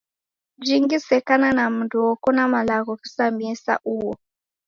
Jingi se kana na mundu wokona malagho ghizamie sa uo.